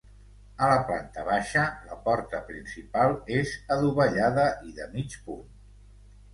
A la planta baixa la porta principal és adovellada i de mig punt.